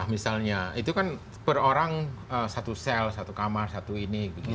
misalnya itu kan per orang satu sel satu kamar satu ini